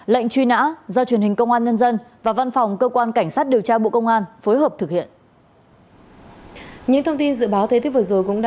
lệnh truy nã do truyền hình công an nhân dân và văn phòng cơ quan cảnh sát điều tra bộ công an phối hợp thực hiện